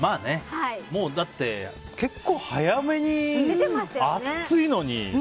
もう、だって結構早めに、暑いのに。